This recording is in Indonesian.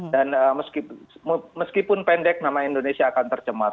dan meskipun pendek nama indonesia akan tercemar